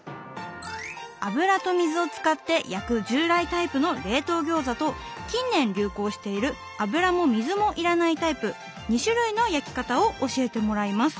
油と水を使って焼く従来タイプの冷凍餃子と近年流行している油も水も要らないタイプ２種類の焼き方を教えてもらいます。